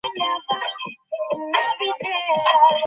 ওরা কিছুই জানতে পারবে না।